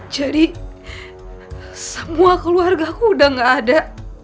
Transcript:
jadi semua keluarga aku sudah tidak ada